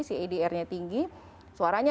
cadr nya tinggi suaranya